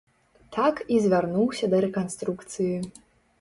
Так і звярнуўся да рэканструкцыі.